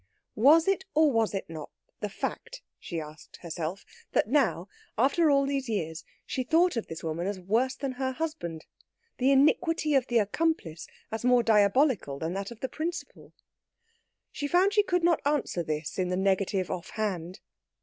Was it, or was it not, the fact, she asked herself, that now, after all these years, she thought of this woman as worse than her husband, the iniquity of the accomplice as more diabolical than that of the principal? She found she could not answer this in the negative off hand.